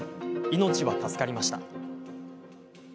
命は助かりました。